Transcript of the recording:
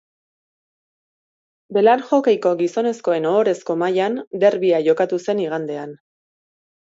Belar hokeiko gizonezkoen ohorezko mailan derbia jokatu zen igandean.